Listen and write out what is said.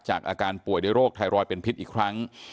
จากอาการป่วยโรคไทรอยเป็นพิษอีกครั้ง